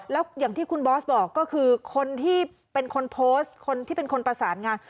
แล้วอย่างที่คุณบอสบอกก็คือคนที่เป็นคนโพสต์คนที่เป็นคนประสานงาน